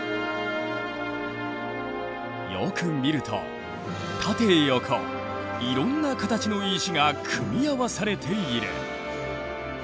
よく見ると縦横いろんな形の石が組み合わされている。